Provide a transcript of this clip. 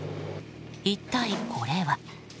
一体これは。